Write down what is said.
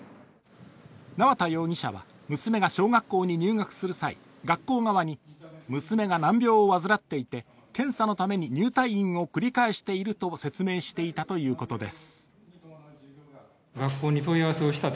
縄田容疑者は娘が小学校に入学する際学校側に、娘が難病を患っていて検査のために入退院を繰り返していると説明していたということです。